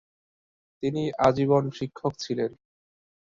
তিনি আজীবন শিক্ষক ছিলেন।